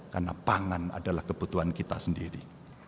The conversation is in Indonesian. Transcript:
karena pangan adalah kebutuhan kita sendiri